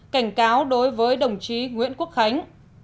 cảnh cáo đối với đồng chí nguyễn quốc khánh